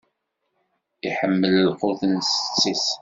Iḥemmel lqut n setti-s.